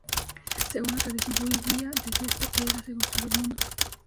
Según la tradición judía, desde esta primera piedra se construyó el mundo.